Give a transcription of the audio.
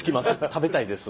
食べたいです。